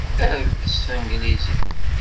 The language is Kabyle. Err-d s tanglizit.